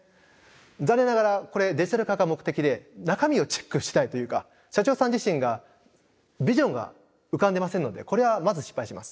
残念ながらこれデジタル化が目的で中身をチェックしていないというか社長さん自身がビジョンが浮かんでませんのでこれはまず失敗します。